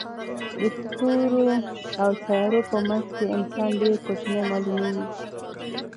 د ستورو او سیارو په منځ کې انسان ډېر کوچنی معلومېږي.